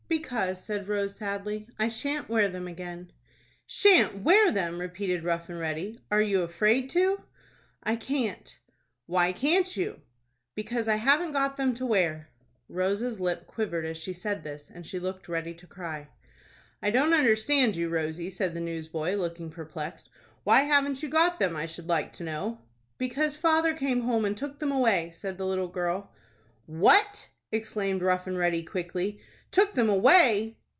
"Because," said Rose, sadly, "I shan't wear them again." "Shan't wear them!" repeated Rough and Ready. "Are you afraid to?" "I can't." "Why can't you?" "Because I haven't got them to wear." Rose's lip quivered as she said this, and she looked ready to cry. "I don't understand you, Rosie," said the newsboy, looking perplexed. "Why haven't you got them, I should like to know?" "Because father came home, and took them away," said the little girl. "What!" exclaimed Rough and Ready, quickly. "Took them away?"